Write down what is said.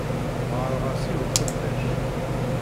Ɣɣareɣ-as i uqeddac.